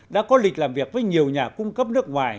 đã có lịch làm việc với nhiều nhà cung cấp nước ngoài